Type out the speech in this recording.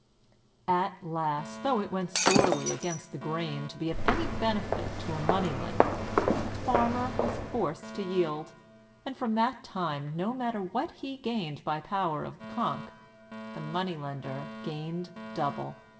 At last, though it went sorely against the grain to be of any benefit to a Money lender, the Farmer was forced to yield, and from that time, no matter what he gained by the power of the conch, the Money lender gained double.